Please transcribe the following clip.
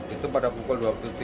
itu pada pukul dua puluh tiga